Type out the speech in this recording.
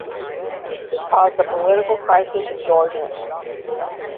This caused the political crisis in Georgia.